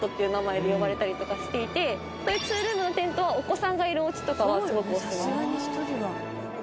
こういうツールームのテントはお子さんがいるおうちとかはすごくオススメ